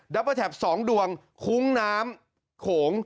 เบอร์แท็ก๒ดวงคุ้งน้ำโขง